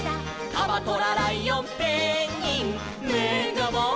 「カバトラライオンペンギンめがまわる」